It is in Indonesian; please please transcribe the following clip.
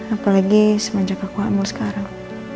apalagi semenjak aku amul sekarang